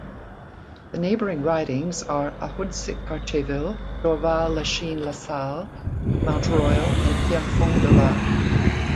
The neighbouring ridings are Ahuntsic-Cartierville, Dorval-Lachine-LaSalle, Mount Royal and Pierrefonds-Dollard.